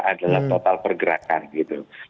adalah total pergerakan gitu